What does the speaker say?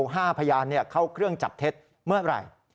พยานเข้าเครื่องจับเท็จเมื่อไหร่